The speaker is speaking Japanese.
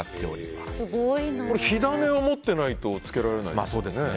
火種を持ってないとつけられないですよね。